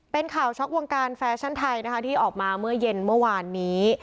เป็นข่าวช็อกวงการแฟชั่นไทยนะคะที่ออกมาเมื่อเย็นเมื่อวานนี้